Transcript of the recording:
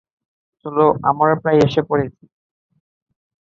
চলো, আমরা প্রায় এসে পড়েছি।